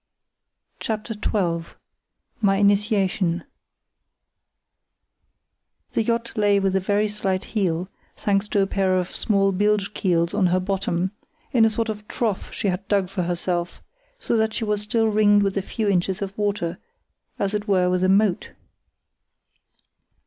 CHAPTER XII. My Initiation The yacht lay with a very slight heel (thanks to a pair of small bilge keels on her bottom) in a sort of trough she had dug for herself, so that she was still ringed with a few inches of water, as it were with a moat.